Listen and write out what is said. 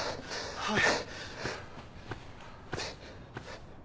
はい。